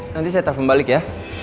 nanti saya telfon balik ya